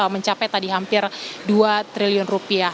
mencapai tadi hampir dua triliun rupiah